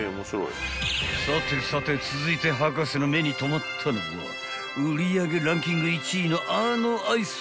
［さてさて続いて博士の目に止まったのは売り上げランキング１位のあのアイス］